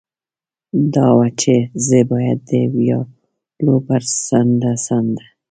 دا وه، چې زه باید د ویالو پر څنډه څنډه.